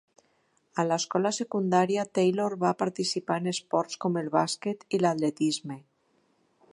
A l'escola secundària, Taylor va participar en esports com el bàsquet i l'atletisme.